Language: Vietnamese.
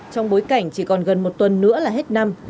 trong bối cảnh chỉ còn gần một tuần nữa là hết năm